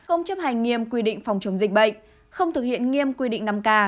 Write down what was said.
không chấp hành nghiêm quy định phòng chống dịch bệnh không thực hiện nghiêm quy định năm k